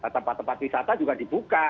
tempat tempat wisata juga dibuka